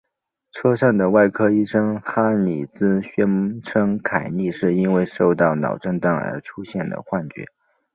车上的外科医师哈里兹宣称凯莉是因为受到脑震荡而出现了幻觉。